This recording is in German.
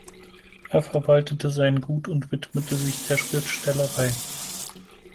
Er verwaltete sein Gut und widmete sich der Schriftstellerei.